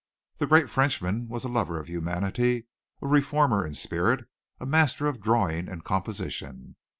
The great Frenchman was a lover of humanity, a reformer in spirit, a master of drawing and composition.